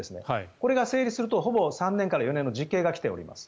これが成立するとほぼ３年から４年の実刑が来ております。